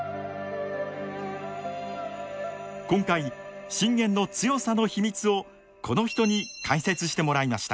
今回信玄の強さの秘密をこの人に解説してもらいました。